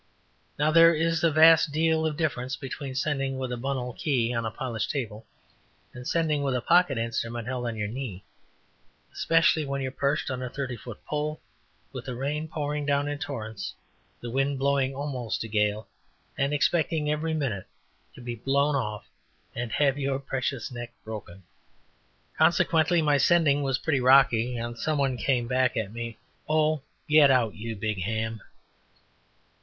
Now there is a vast deal of difference between sending with a Bunnell key on a polished table, and sending with a pocket instrument held on your knee, especially when you are perched on a thirty foot pole, with the rain pouring down in torrents, the wind blowing almost a gale, and expecting every minute to be blown off and have your precious neck broken. Consequently my sending was pretty "rocky," and some one came back at me with, "Oh! get out you big ham."